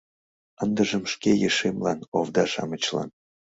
Ындыжым шке ешемлан, овда-шамычлан.